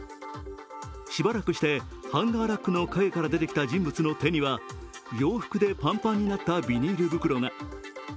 しばらくして、ハンガーラックの陰から出てきた人物の手には洋服でパンパンになったビニール袋が。